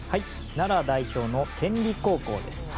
奈良代表の天理高校です。